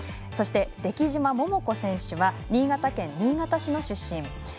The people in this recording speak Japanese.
そして出来島桃子選手は新潟県新潟市の出身。